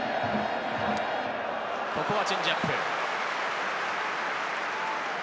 ここはチェンジアップ。